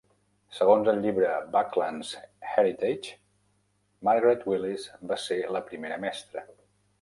Segons el llibre, "Buckland's Heritage," Margaret Willis va ser la primera mestra.